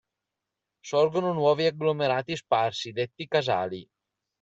Sorgono nuovi agglomerati sparsi, detti casali.